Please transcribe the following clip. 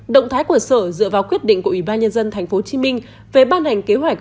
động thái của sở dựa vào quyết định của ubnd tp hcm về ban hành kế hoạch